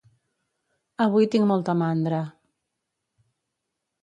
Avui tinc molta mandra